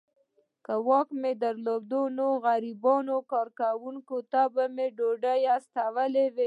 که واک مي درلودای نو د غریبانو کورونو ته به مي ډوډۍ استولې.